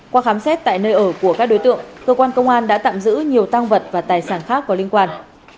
qua khám xét tại nơi ở của các đối tượng cơ quan công an đã tạm giữ nhiều tăng vật và tài sản khác có liên quan